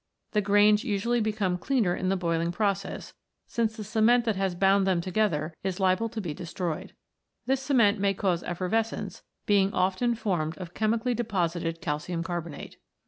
The grains usually become cleaner in the boiling process, since the cement that has bound them together is liable to be destroyed. This cement may cause effervescence, being often formed of chemically deposited calcium carbonate.